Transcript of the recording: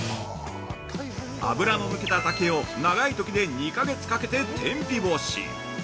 ◆油の抜けた竹を長いときで２か月かけて天日干し。